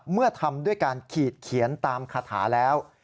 เมื่อทำด้วยการขีดเขียนตามคาถาแล้ว